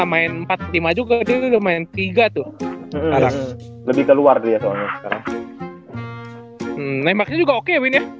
main empat puluh lima juga dia lumayan tiga tuh lebih keluar dia soalnya sekarang juga oke